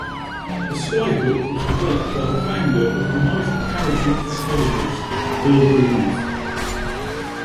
The Skyhook was developed by the founder of United Parachute Technologies, Bill Booth.